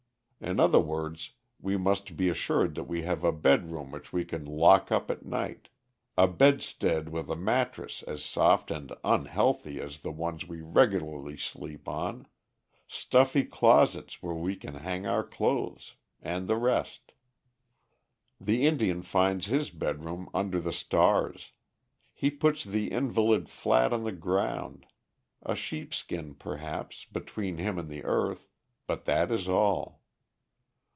In other words, we must be assured that we have a bedroom which we can lock up at night, a bedstead with a mattress as soft and unhealthy as the one we regularly sleep on, stuffy closets where we can hang our clothes, and the rest. The Indian finds his bedroom under the stars. He puts the invalid flat on the ground, a sheepskin, perhaps, between him and the earth, but that is all.